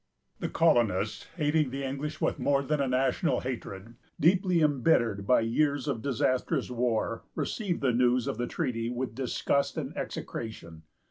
The colonists, hating the English with a more than national hatred, deeply imbittered by years of disastrous war, received the news of the treaty with disgust and execration.